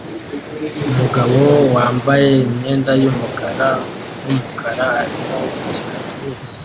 Umugabo wambaye imyenda yumukara numukara arimo gukina tennis